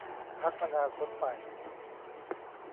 พรรคอนาคตใหม่